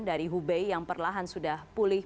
dari hubei yang perlahan sudah pulih